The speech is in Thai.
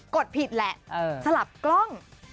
ดผิดแหละสลับกล้อง